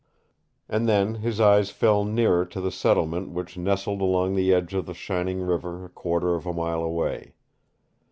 And then his eyes fell nearer to the settlement which nestled along the edge of the shining river a quarter of a mile away.